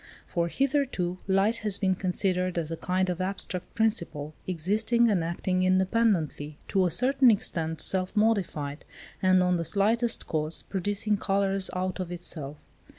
For, hitherto, light has been considered as a kind of abstract principle, existing and acting independently; to a certain extent self modified, and on the slightest cause, producing colours out of itself.